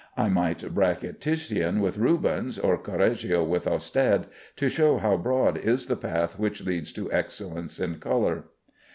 I might bracket Titian with Rubens, or Correggio with Ostade, to show how broad is the path which leads to excellence in color.